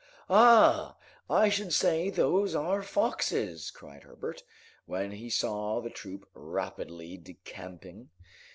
"Ah! I should say those are foxes!" cried Herbert, when he saw the troop rapidly decamping.